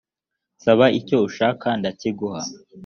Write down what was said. nsaba icyo ushaka ndakiguha